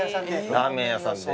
ラーメン屋さんで？